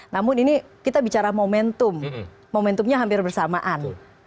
namun ini kita bicara momentum momentumnya hampir bersamaan